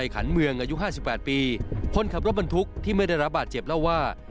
ขันเมืองอายุ๕๘ปีคนขับรถบรรทุกที่ไม่ได้รับบาดเจ็บเล่าว่า